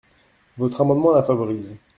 Votre amendement la favorise.